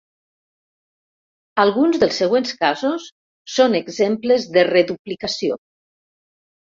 Alguns dels següents casos són exemples de reduplicació.